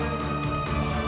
dia harus kuberitahu